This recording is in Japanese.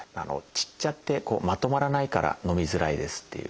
散っちゃってまとまらないからのみづらいですっていう。